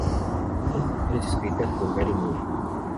Todas las canciones escritas por Gary Moore